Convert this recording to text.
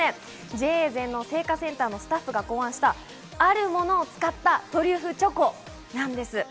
ＪＡ全農製菓センタースタッフが考案した、あるものを使ったトリュフチョコなんです。